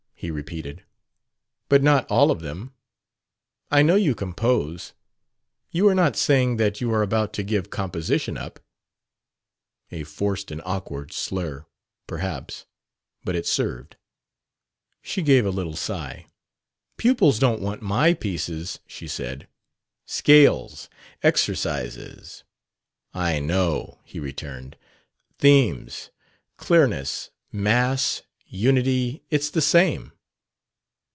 he repeated. "But not all of them? I know you compose. You are not saying that you are about to give composition up?" A forced and awkward "slur," perhaps; but it served. She gave a little sigh. "Pupils don't want my pieces," she said. "Scales; exercises..." "I know," he returned. "Themes, clearness, mass, unity.... It's the same."